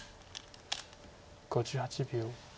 ５８秒。